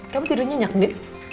kamu tidurnya nyakdin